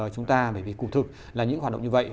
chúng ta bởi vì cụ thực là những hoạt động như vậy